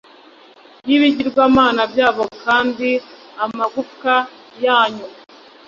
y ibigirwamana byabo kandi amagufwa yanyu